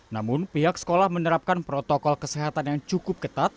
namun pihak sekolah menerapkan protokol kesehatan yang cukup ketat